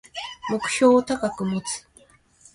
目標を高く持つ